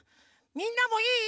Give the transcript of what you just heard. みんなもいい？